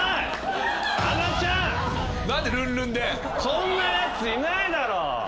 こんなやついないだろ！